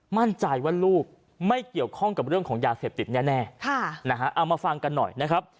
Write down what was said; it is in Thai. มั่นใจว่าลูกไม่เกี่ยวข้องกับเรื่องของยาเสพติดแน่เอามาฟังกันหน่อยนะครับ